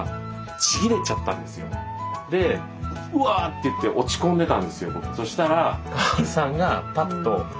「うわ」って言って落ち込んでたんですよ。